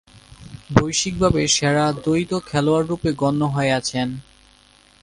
বৈশ্বিকভাবে সেরা দ্বৈত খেলোয়াড়রূপে গণ্য হয়ে আছেন।